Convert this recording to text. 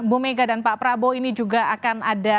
bu mega dan pak prabowo ini juga akan ada